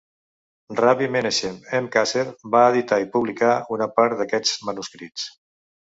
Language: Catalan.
Rabbi Menachem M. Kasher va editar i publicar una part d'aquests manuscrits.